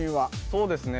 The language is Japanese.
そうですね